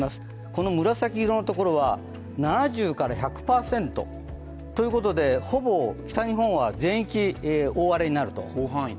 この紫色のところは７０１００％ということで、ほぼ北日本は全域大荒れになると。